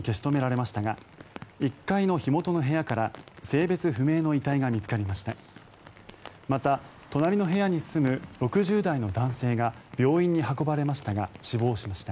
また、隣の部屋に住む６０代の男性が病院に運ばれましたが死亡しました。